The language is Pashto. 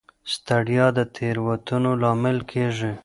ستړیا د تېروتنو لامل کېږي.